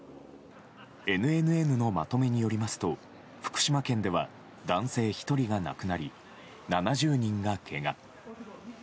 ＮＮＮのまとめによりますと福島県では男性１人が亡くなり７０人がけが。